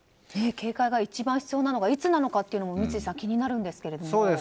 警戒が一番必要なのがいつなのかっていうのも三井さん、気になりますが。